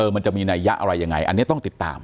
มันจะมีนัยยะอะไรยังไงอันนี้ต้องติดตาม